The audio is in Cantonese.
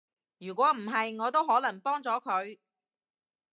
如果唔係，我都可能幫咗佢